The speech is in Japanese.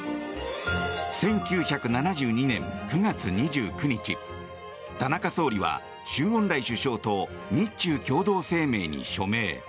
１９７２年９月２９日田中総理は周恩来首相と日中共同声明に署名。